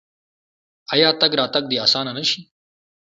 آیا تګ راتګ دې اسانه نشي؟